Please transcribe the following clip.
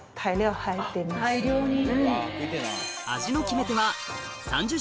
大量に。